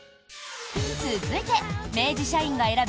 続いて明治社員が選ぶ